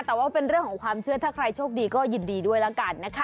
แต่ว่าเป็นเรื่องของความเชื่อถ้าใครโชคดีก็ยินดีด้วยแล้วกันนะคะ